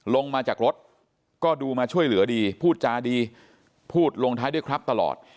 ลงมาจากรถก็ดูมาช่วยเหลือดีพูดจาดีพูดลงท้ายด้วยครับตลอด